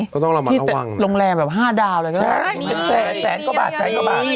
ใช่ไงที่โรงแรมแบบ๕ดาวเลยแสนกว่าบาทแสนกว่าบาท